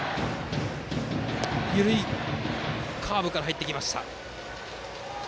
緩いカーブから入ってきた。